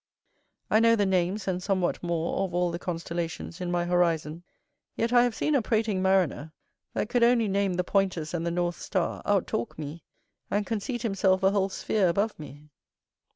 I know the names and somewhat more of all the constellations in my horizon; yet I have seen a prating mariner, that could only name the pointers and the north star, out talk me, and conceit himself a whole sphere above me.